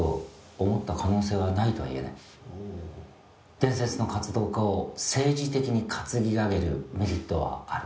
「伝説の活動家を政治的に担ぎ上げるメリットはある」